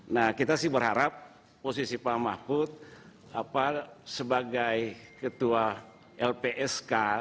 nah kita sih berharap posisi pak mahfud sebagai ketua lpsk